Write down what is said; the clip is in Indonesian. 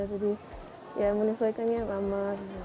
jadi ya menyesuaikannya lama